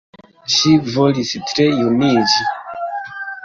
Ŝi volis tre juniĝi.